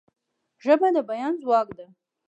ژبه د بیان ځواک ده.